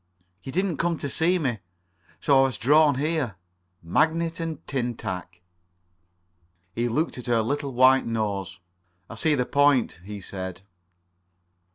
"You didn't come to see me, so I was drawn here. Magnet and tin tack." He looked at her little white nose. "I see the point," he said.